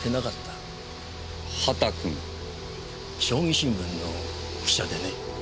将棋新聞の記者でね。